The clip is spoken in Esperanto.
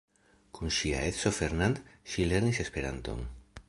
Kun ŝia edzo Fernand ŝi lernis Esperanton.